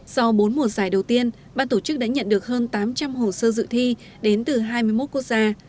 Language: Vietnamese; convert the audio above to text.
sau bốn mùa giải đầu tiên ban tổ chức đã nhận được hơn tám trăm linh hồ sơ dự thi đến từ hai mươi một quốc gia